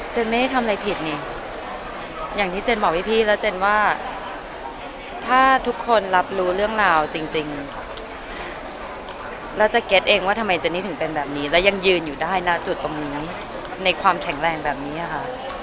ไม่ได้ทำอะไรผิดนี่อย่างที่เจนบอกพี่แล้วเจนว่าถ้าทุกคนรับรู้เรื่องราวจริงแล้วจะเก็ตเองว่าทำไมเจนนี่ถึงเป็นแบบนี้แล้วยังยืนอยู่ได้นะจุดตรงนี้ในความแข็งแรงแบบนี้ค่ะ